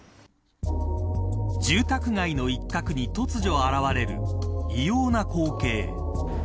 住宅街の一角に突如現れる異様な光景。